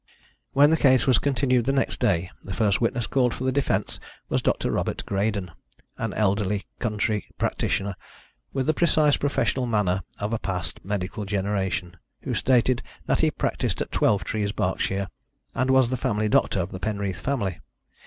When the case was continued the next day, the first witness called for the defence was Dr. Robert Greydon, an elderly country practitioner with the precise professional manner of a past medical generation, who stated that he practised at Twelvetrees, Berkshire, and was the family doctor of the Penreath family.